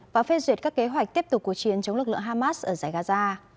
và phê duyệt các kế hoạch tiếp tục cuộc chiến chống lực lượng hamas ở giải gaza